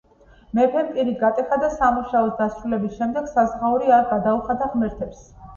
მეფემ პირი გატეხა და სამუშაოს დასრულების შემდეგ საზღაური არ გადაუხადა ღმერთებს.